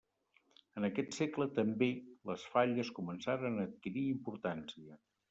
En aquest segle també, les Falles començaren a adquirir importància.